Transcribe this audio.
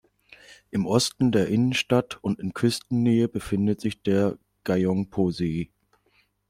Im Osten der Innenstadt und in Küstennähe befindet sich der Gyeongpo-See.